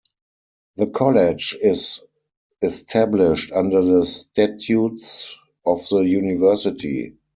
The College is established under the Statutes of the University.